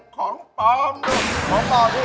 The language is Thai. ของปลอมของปลอมพี่ของปลอม